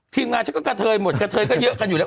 ทีมงานฉันก็กระเทยหมดกระเทยก็เยอะกันอยู่แล้ว